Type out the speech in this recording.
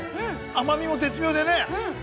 甘みも絶妙でね。